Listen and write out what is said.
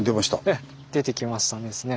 ええ出てきましたですね。